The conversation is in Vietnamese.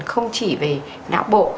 không chỉ về não bộ